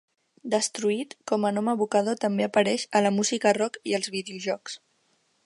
"Destruït" com a nom evocador també apareix a la música rock i als videojocs.